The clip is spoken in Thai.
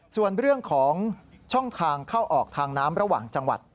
ส่วนเรื่องของช่องทางเข้าออกทางน้ำระหว่างจังหวัด